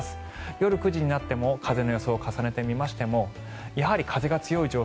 夜９時になっても風の予想を重ねてみましてもやはり風が強い状況